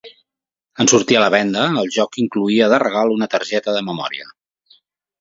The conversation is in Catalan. En sortir a la venda, el joc incloïa de regal una targeta de memòria.